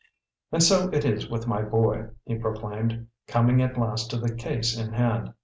"And so it is with my boy," he proclaimed, coming at last to the case in hand.